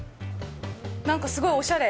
なんかすごいおしゃれ。